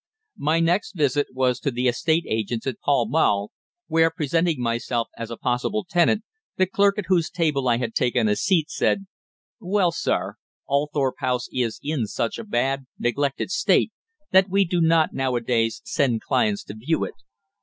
My next visit was to the estate agents in Pall Mall, where, presenting myself as a possible tenant, the clerk at whose table I had taken a seat said "Well, sir, Althorp House is in such a bad, neglected state that we do not now a days send clients to view it.